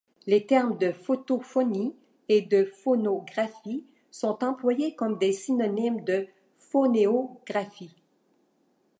Les termes de photophonie et de phonographie sont employés comme des synonymes de phonéographie.